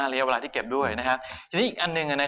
เรียกเท่าไหร่ว่านี้